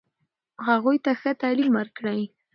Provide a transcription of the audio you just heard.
هغوی ته ښه تعلیم ورکړئ.